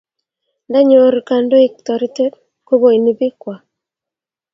Ndanyor kandoik taretet ko kaini piik kwai